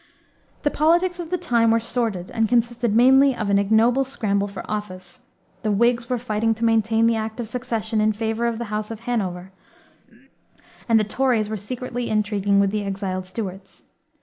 The politics of the time were sordid and consisted mainly of an ignoble scramble for office. The Whigs were fighting to maintain the Act of Succession in favor of the House of Hanover, and the Tories were secretly intriguing with the exiled Stuarts.